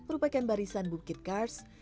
merupakan barisan bukit kars